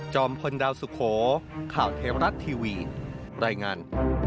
พลดาวสุโขข่าวเทวรัฐทีวีรายงาน